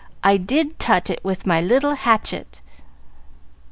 I did tut it with my little hanchet."